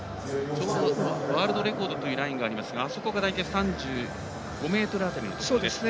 ワールドレコードというラインがありますがあそこが大体３５ｍ辺りです。